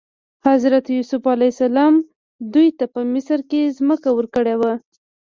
حضرت یوسف علیه السلام دوی ته په مصر کې ځمکه ورکړې وه.